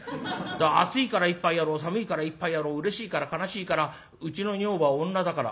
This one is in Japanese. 暑いから一杯やろう寒いから一杯やろううれしいから悲しいからうちの女房は女だから。